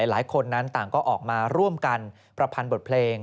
หลายคนนั้นต่างก็ออกมาร่วมกันประพันธ์บทเพลง